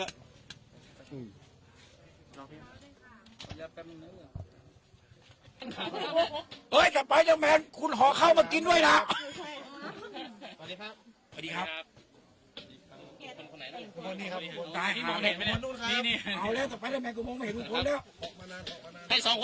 เอาหน้าเพียงเดี๋ยวแปลงหนึ่งหนึ่ง